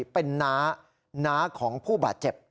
เป็นน้าน้าของผู้บาดเจ็บ